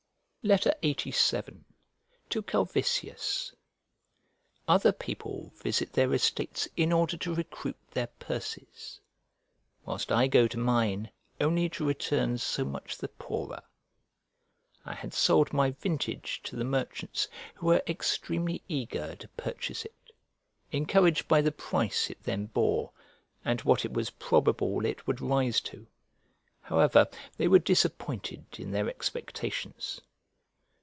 LXXXVII To CALVISIUS OTHER people visit their estates in order to recruit their purses; whilst I go to mine only to return so much the poorer. I had sold my vintage to the merchants, who were extremely eager to purchase it, encouraged by the price it then bore, and what it was probable it would rise to: however they were disappointed in their expectations.